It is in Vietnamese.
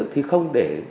thì không để